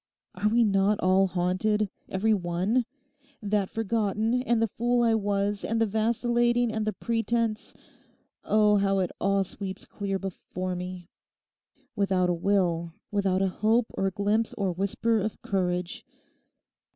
Are we not all haunted—every one? That forgotten, and the fool I was, and the vacillating, and the pretence—oh, how it all sweeps clear before me; without a will, without a hope or glimpse or whisper of courage.